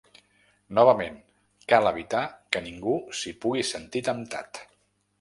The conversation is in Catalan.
Novament, cal evitar que ningú s’hi pugui sentir temptat.